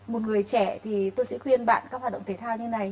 một người trẻ thì tôi sẽ khuyên bạn các hoạt động thể thao như này